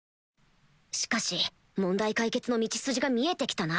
しかし問題解決の道筋が見えて来たな